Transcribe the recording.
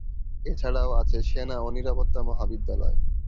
এছাড়াও আছে সেনা ও নিরাপত্তা মহাবিদ্যালয়।